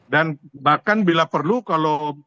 dan bahkan bila perlu kalau